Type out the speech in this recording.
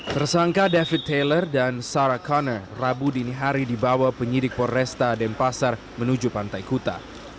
tersangka david taylor dan sarah connor rabu dinihari dibawa penyidik porresta dan pasar menuju pantai kuta